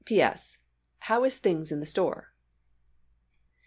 P. S. How is things in the store?